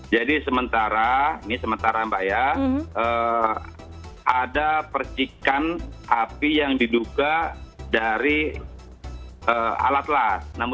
jadi sementara ini sementara mbak ya ada percikan api yang diduga dari alat las